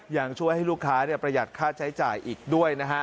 ยังช่วยให้ลูกค้าประหยัดค่าใช้จ่ายอีกด้วยนะฮะ